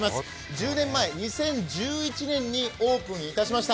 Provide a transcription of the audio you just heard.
１０年前、２０１１年にオープンいたしました。